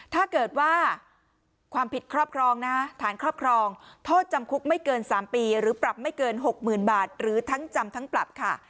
ถ้าเกิดว่าความผิดครอบครองนะฐานครอบครองโทษจำคุกไม่เกิน๓ปีหรือปรับไม่เกิน๖๐๐๐บาทหรือทั้งจำทั้งปรับค่ะ